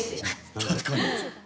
確かに。